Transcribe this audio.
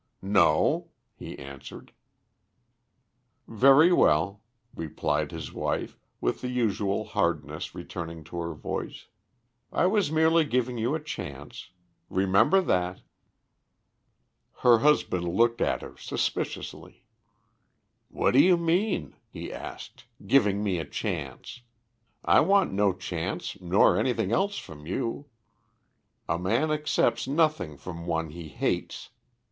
"No," he answered. "Very well," replied his wife, with the usual hardness returning to her voice. "I was merely giving you a chance. Remember that." Her husband looked at her suspiciously. "What do you mean?" he asked, "giving me a chance? I want no chance nor anything else from you. A man accepts nothing from one he hates.